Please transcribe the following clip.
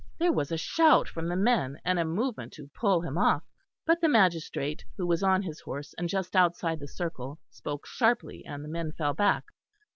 There was a shout from the men and a movement to pull him off, but the magistrate who was on his horse and just outside the circle spoke sharply, and the men fell back.